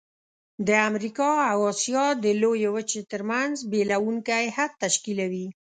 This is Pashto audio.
د امریکا او آسیا د لویې وچې ترمنځ بیلوونکی حد تشکیلوي.